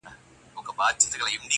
زه چي هر عمل کوم ورته مجبور یم٫